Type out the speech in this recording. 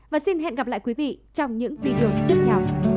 và xin hẹn gặp lại quý vị trong những video tiếp theo